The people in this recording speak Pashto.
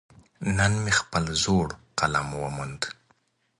نن مې خپل زاړه قلم وموند.